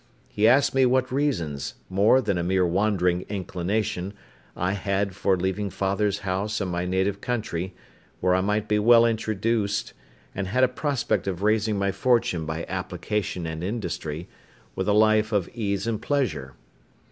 He asked me what reasons, more than a mere wandering inclination, I had for leaving father's house and my native country, where I might be well introduced, and had a prospect of raising my fortune by application and industry, with a life of ease and pleasure.